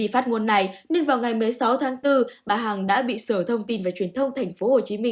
phát ngôn này nên vào ngày một mươi sáu tháng bốn bà hằng đã bị sở thông tin và truyền thông tp hcm